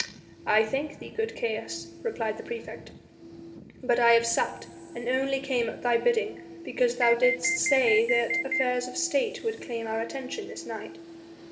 "I thank thee, good Caius," replied the praefect, "but I have supped, and only came at thy bidding, because thou didst say that affairs of State would claim our attention this night."